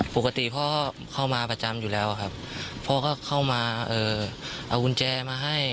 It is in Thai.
ปกติพ่อเข้ามาประจำอยู่แล้วครับพ่อก็เข้ามาเอากุญแจมาให้